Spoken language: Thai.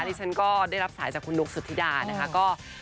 ที่ฉันก็ได้รับสายจากคุณนุ๊กสุธิดานะคะ